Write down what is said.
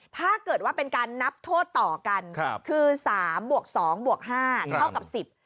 ถ้าเกิดว่าเป็นการนับโทษต่อกันคือ๓บวก๒บวก๕เท่ากับ๑๐